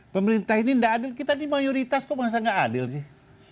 pemerintah ini tidak adil kita ini mayoritas kok merasa nggak adil sih